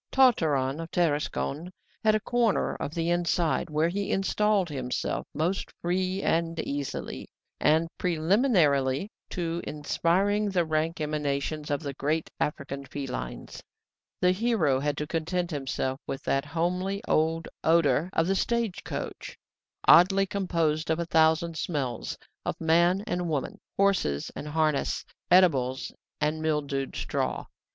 Tartarin of Tarascon had a corner of the inside, where he installed himself most free and easily: and, preliminarily to inspiring the rank emanations of the great African felines, the hero had to content himself with that homely old odour of the stage coach, oddly composed of a thousand smells, of man and woman, horses and harness, eatables and mildewed straw.